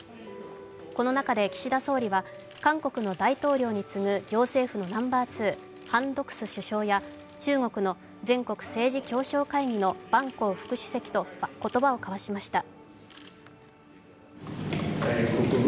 この中で岸田総理は韓国の大統領に次ぐ行政府のナンバーツー、ハン・ドクス首相や、中国の全国政治協商会議の万鋼副主席と言葉を交わしました。